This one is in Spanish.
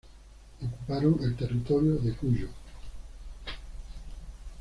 Ocuparon el territorio de Cuyo.